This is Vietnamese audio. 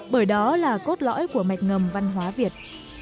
bởi đó là cốt lõi của mạch ngầm văn hóa việt